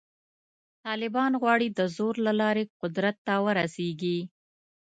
طالبان غواړي د زور له لارې قدرت ته ورسېږي.